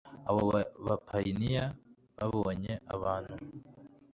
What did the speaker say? abo bapayiniya babonye abantu